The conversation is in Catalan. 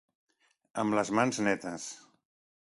Amb les mans netes.